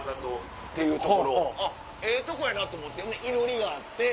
ええとこやなと思っていろりがあって。